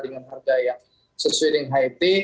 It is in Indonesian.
dengan harga yang sesuai dengan hit